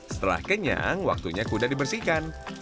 setelah kenyang waktunya kuda dibersihkan